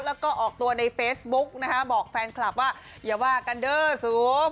แล้วก็ออกตัวในเฟซบุ๊กนะคะบอกแฟนคลับว่าอย่าว่ากันเด้อสูง